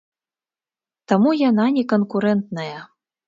Таму яна не канкурэнтная.